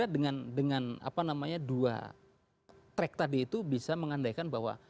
dengan dua track tadi itu bisa mengandaikan bahwa